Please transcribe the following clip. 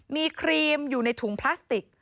มีครีมอยู่ในถุงพลาสติก